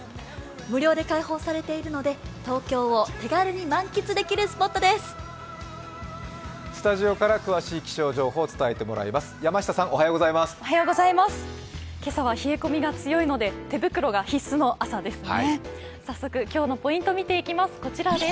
無料で開放されているので東京を手軽に満喫できるスポットです。